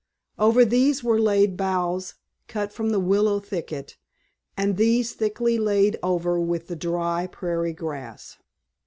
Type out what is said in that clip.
Over these were laid boughs, cut from the willow thicket, and these thickly overlaid with the dry prairie grass.